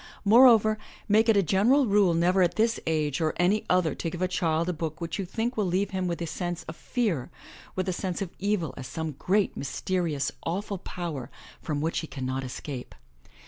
Moreover, make it a general rule never at this age or any other to give a child a book which you think will leave him with a sense of fear, with a sense of evil as some great, mysterious awful power from which he cannot escape.